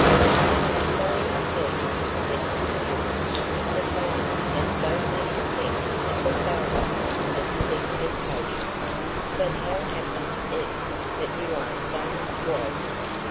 "I am sorry indeed," said Cecilia, "to find he has so deep a sense of the failure of his expectations: but how happens it that you are so much wiser?